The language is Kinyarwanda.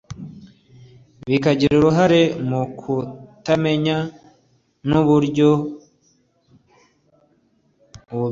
bikagira uruhare mu kutamenya n’uburyo abubyaza umusaruro